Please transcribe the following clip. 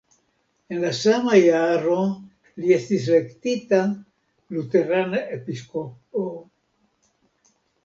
En la sama jaro li estis elektita luterana episkopo.